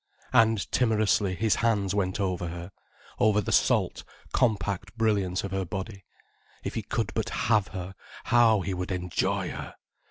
And timorously, his hands went over her, over the salt, compact brilliance of her body. If he could but have her, how he would enjoy her!